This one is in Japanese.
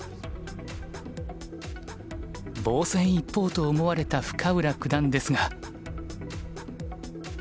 防戦一方と思われた深浦九段ですが。